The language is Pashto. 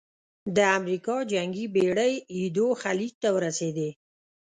د امریکا جنګي بېړۍ ایدو خلیج ته ورسېدې.